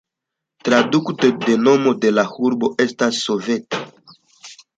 Traduko de nomo de la urbo estas "soveta".